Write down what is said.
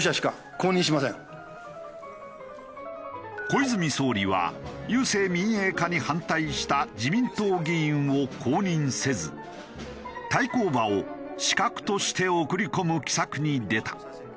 小泉総理は郵政民営化に反対した自民党議員を公認せず対抗馬を刺客として送り込む奇策に出た。